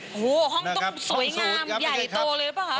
โอ้โหห้องต้องสวยงามใหญ่โตเลยหรือเปล่าคะ